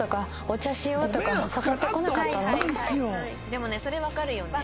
でもねそれわかるよね。